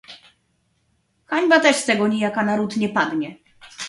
"Hańba też z tego nijaka na ród nie padnie."